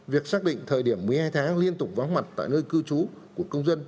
việc xác định thời điểm một mươi hai tháng liên tục vắng mặt tại nơi cư trú của công dân